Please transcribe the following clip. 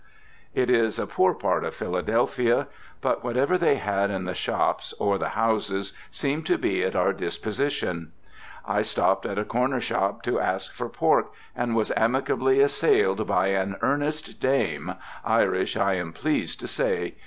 It is a poor part of Philadelphia; but whatever they had in the shops or the houses seemed to be at our disposition. I stopped at a corner shop to ask for pork, and was amicably assailed by an earnest dame, Irish, I am pleased to say.